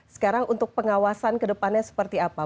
sekarang untuk pengawasan ke depannya seperti apa